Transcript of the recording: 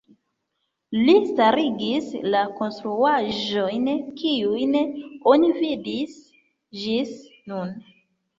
Li starigis la konstruaĵojn kiujn oni vidis ĝis nun.